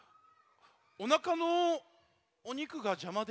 おなかのおにくがじゃまで。